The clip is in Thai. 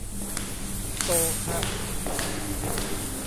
โซลฮะ